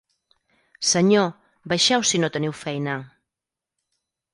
Senyor, baixeu si no teniu feina!